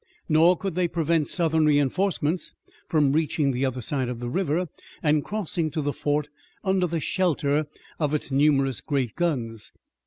Nor could they prevent Southern reinforcements from reaching the other side of the river and crossing to the fort under the shelter of its numerous great guns.